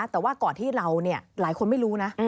แต่ว่าก่อนที่เราหลายคนไม่รู้นะ